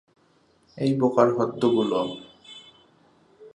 এই বোকার হদ্দগুলো।